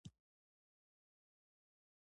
خاینانو په اشرف غنی درواغ تړل